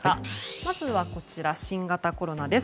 まずはこちら、新型コロナです。